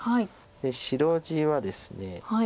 で白地はですね。